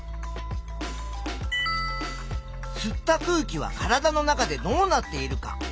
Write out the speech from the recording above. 「吸った空気は体の中でどうなっている」か？